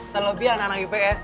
terlebih anak anak ips